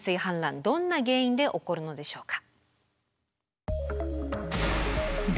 どんな原因で起こるのでしょうか？